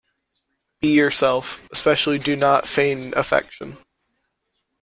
Be yourself. Especially do not feign affection.